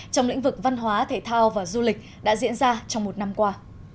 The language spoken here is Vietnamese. trong lĩnh vực văn hóa thể thao và du lịch đã diễn ra trong một năm qua